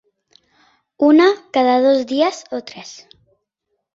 Una cada dos dies o tres.